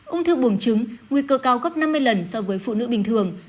ung thư buồng trứng nguy cơ cao gấp năm mươi lần so với phụ nữ bình thường